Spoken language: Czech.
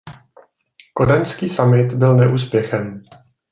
Kodaňský summit byl neúspěchem.